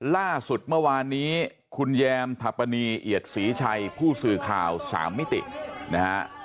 ล่าสุดเมื่อวานนี้คุณแยมถัปปณีเอียดศรีชัยผู้สื่อข่าว๓มิตินะฮะ